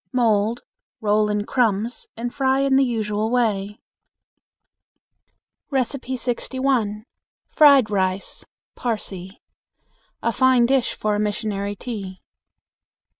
Mold, roll in crumbs, and fry in the usual way. 61. Fried Rice (Parsi). (A fine dish for a missionary tea.)